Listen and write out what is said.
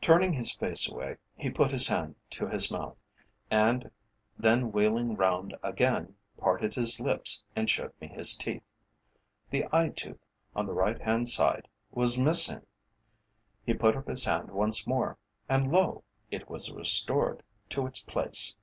Turning his face away, he put his hand to his mouth, and then wheeling round again, parted his lips and showed me his teeth. The eye tooth on the right hand side was missing. He put up his hand once more, and lo! it was restored to its place.